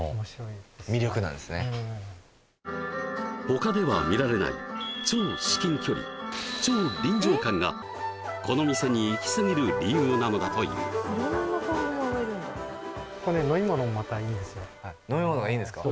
他では見られない超至近距離超臨場感がこの店にイキスギる理由なのだという飲み物がいいんですか？